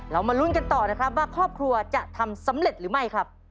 มาลุ้นกันต่อนะครับว่าครอบครัวจะทำสำเร็จหรือไม่ครับ